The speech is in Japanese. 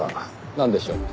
なんでしょう？